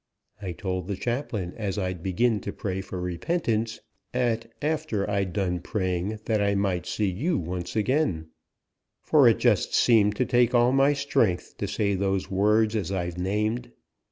I told the chaplain as I'd begin to pray for repentance, at after I'd done praying that I might see you once again: for it just seemed to take all my strength to say those words as I've named.